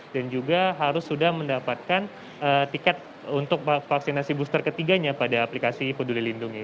dan juga harus sudah mendapatkan tiket untuk vaksinasi booster ketiganya pada aplikasi poduli lindungi